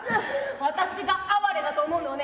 私があわれだと思うのはね